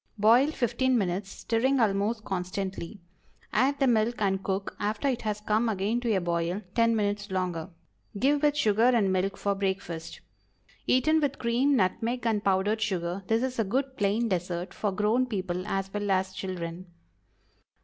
Boil fifteen minutes, stirring almost constantly. Add the milk and cook, after it has come again to a boil, ten minutes longer. Give with sugar and milk for breakfast. Eaten with cream, nutmeg, and powdered sugar, this is a good plain dessert for grown people as well as children.